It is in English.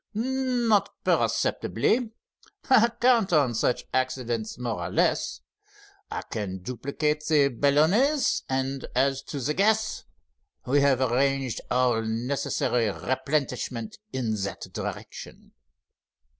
"Not perceptibly. I count on such accidents, more or less. I can duplicate the balloonets, and as to the gas—we have arranged for all necessary replenishment in that direction.